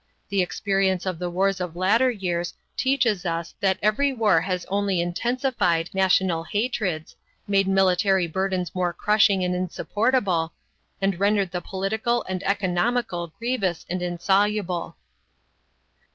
The experience of the wars of latter years teaches us that every war has only intensified national hatreds, made military burdens more crushing and insupportable, and rendered the political and economical grievous and insoluble."